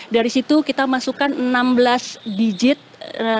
dari situ kita masukkan enam belas digit